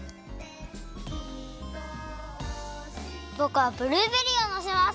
ぼくはブルーベリーをのせます！